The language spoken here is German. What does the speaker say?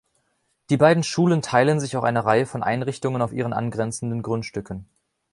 Die beiden Schulen teilen sich auch eine Reihe von Einrichtungen auf ihren angrenzenden Grundstücken.